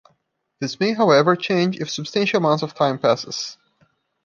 This may, however, change if substantial amount of time passes.